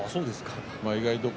意外と。